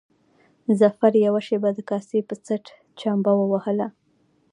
ظفر يوه شېبه د کاسې په څټ چمبه ووهله.